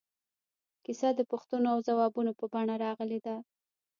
کیسه د پوښتنو او ځوابونو په بڼه راغلې ده.